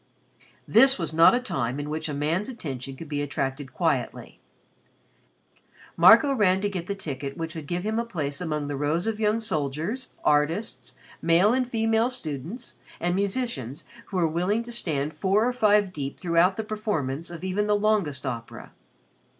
This was not a time in which a man's attention could be attracted quietly. Marco ran to get the ticket which would give him a place among the rows of young soldiers, artists, male and female students, and musicians who were willing to stand four or five deep throughout the performance of even the longest opera.